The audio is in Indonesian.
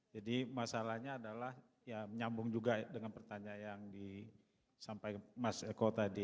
jadi masalahnya adalah ya menyambung juga dengan pertanyaan yang disampaikan mas eko tadi